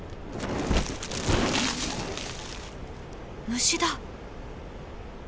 虫だ。